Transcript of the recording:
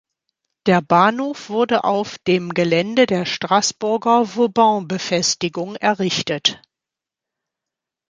Der Bahnhof wurde auf dem Gelände der Straßburger Vauban-Befestigungen errichtet.